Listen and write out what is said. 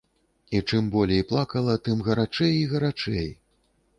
І чым болей плакала, тым гарачэй і гарачэй.